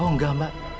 oh enggak mbak